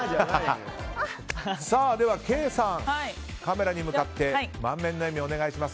ではケイさん、カメラに向かって満面の笑みをお願いします。